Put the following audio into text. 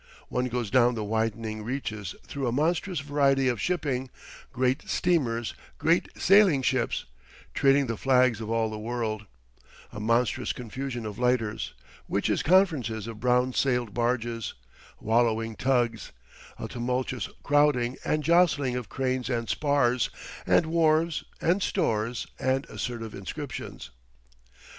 One goes down the widening reaches through a monstrous variety of shipping, great steamers, great sailing ships, trailing the flags of all the world, a monstrous confusion of lighters, witches' conferences of brown sailed barges, wallowing tugs, a tumultuous crowding and jostling of cranes and spars, and wharves and stores, and assertive inscriptions.